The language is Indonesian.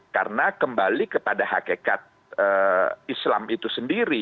karena kembali kepada hakikat islam itu sendiri